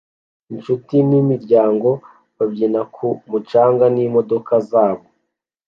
Inshuti nimiryango babyina ku mucanga n'imodoka zabo